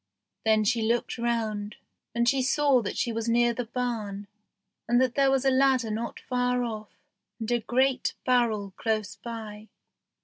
Then she looked round, and saw that she was near the barn, and that there was a ladder not far off, and a great barrel close by.